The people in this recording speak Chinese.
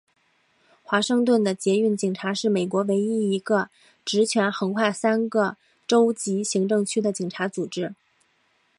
华盛顿的捷运警察是美国唯一一个职权横跨三个州级行政区的警察组织。